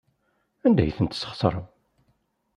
Anda ay ten-tesɣesrem?